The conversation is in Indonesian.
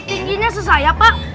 tingginya sesaya pak